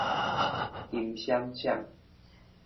金閃閃